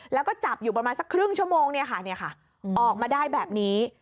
แล้วก็จับอยู่ประมาณสักครึ่งชั่วโมงออกมาได้แบบนี้